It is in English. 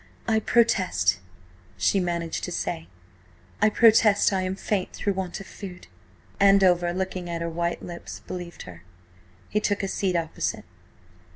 "I protest," she managed to say, "I protest, I am faint through want of food." Andover, looking at her white lips, believed her. He took a seat opposite.